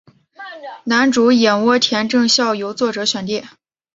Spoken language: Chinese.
男主演洼田正孝由作者选定。